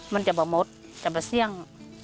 มันจะไม่มดจะไม่เชี่ยง